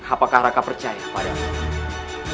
apakah raka percaya padamu